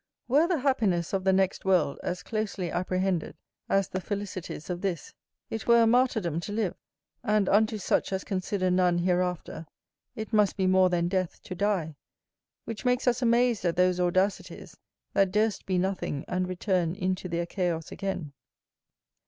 Were the happiness of the next world as closely apprehended as the felicities of this, it were a martyrdom to live; and unto such as consider none hereafter, it must be more than death to die, which makes us amazed at those audacities that durst be nothing and return into their chaos again.